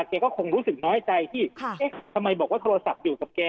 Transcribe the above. แกก็คงรู้สึกน้อยใจที่เอ๊ะทำไมบอกว่าโทรศัพท์อยู่กับแก